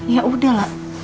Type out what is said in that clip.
ya udah lah